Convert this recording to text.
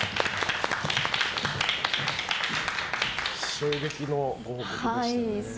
衝撃のご報告でしたね。